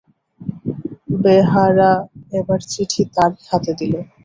বেহারা এবার চিঠি তারই হাতে দিল।